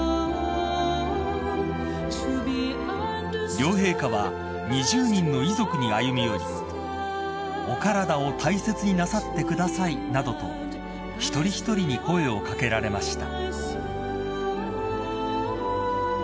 ［両陛下は２０人の遺族に歩み寄り「お体を大切になさってください」などと一人一人に声を掛けられました］